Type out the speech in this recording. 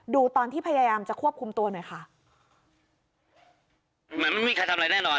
ดูตอนที่พยายามจะควบคุมตัวหน่อยค่ะเหมือนไม่มีใครทำอะไรแน่นอน